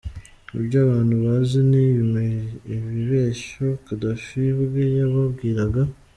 Ibyo abantu bazi ni ibibeshyo Gaddafi ubwe yababwiraga.